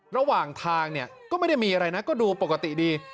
ระหว่างทางเนี่ยก็ไม่ได้มีอะไรนะก็ดูปกติดี